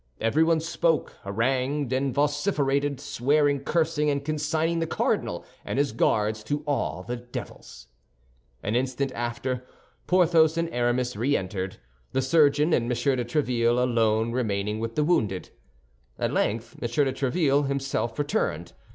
Everyone spoke, harangued, and vociferated, swearing, cursing, and consigning the cardinal and his Guards to all the devils. An instant after, Porthos and Aramis re entered, the surgeon and M. de Tréville alone remaining with the wounded. At length, M. de Tréville himself returned.